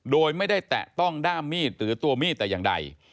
โดยไม่ได้แตะต้องด้ามมีดหรือตัวมีดแต่อย่างใด